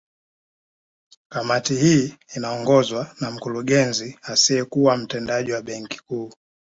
Kamati hii inaongozwa na Mkurugenzi asiyekuwa Mtendaji wa Benki Kuu